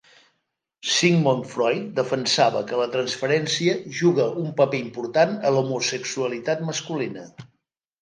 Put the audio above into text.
Sigmund Freud defensava que la transferència juga un paper important a l'homosexualitat masculina.